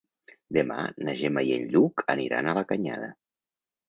Demà na Gemma i en Lluc aniran a la Canyada.